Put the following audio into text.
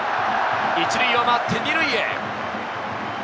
１塁を回って２塁へ。